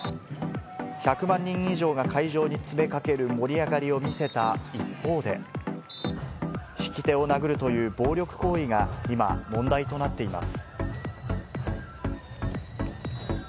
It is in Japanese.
１００万人以上が会場に詰めかける盛り上がりを見せた一方で、引き手を殴るという暴力行為が今、問題となっています。